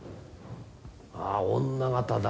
あ女形だ。